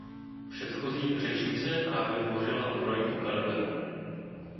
Předchozí řečnice právě hovořila o projektu Galileo.